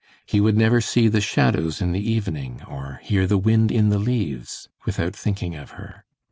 He would never see the shadows in the evening, or hear the wind in the leaves, without thinking of her.